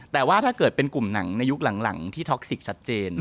แต่ว่าถ้าเกิดเป็นกลุ่มหนังในยุคหลังที่ท็อกซิกชัดเจน